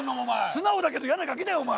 素直だけどやなガキだよお前。